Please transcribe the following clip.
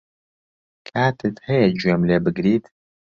کاتت هەیە گوێم لێ بگریت؟